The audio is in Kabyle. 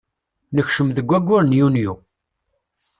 Nekcem deg waggur n yunyu.